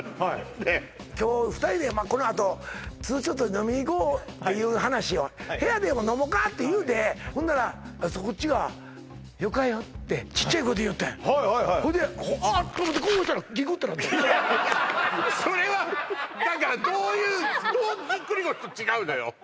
ねえ今日２人でこのあとツーショットで飲みにいこうっていう話を部屋でも飲もうかっていうてほんならそっちがよかよってちっちゃい声で言うてんはいはいほいであっと思ってこうしたらギクってなったのそれはだからどういうどうぎっくり腰と違うのよ